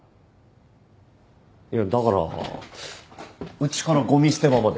だからうちからごみ捨て場まで。